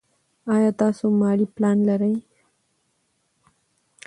ایا تاسو مالي پلان لرئ.